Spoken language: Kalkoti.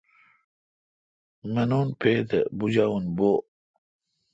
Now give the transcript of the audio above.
منون پے تھہ بُجاوون بو°